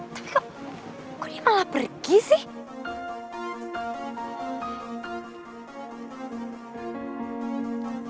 tapi kok kok dia malah pergi sih